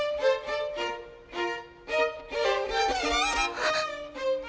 あっ。